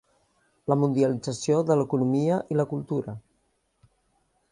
La mundialització de l'economia i la cultura.